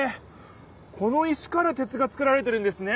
この石から鉄が作られてるんですね！